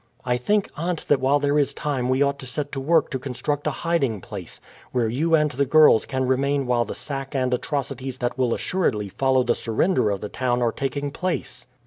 "I think, aunt, that while there is time we ought to set to work to construct a hiding place, where you and the girls can remain while the sack and atrocities that will assuredly follow the surrender of the town are taking place."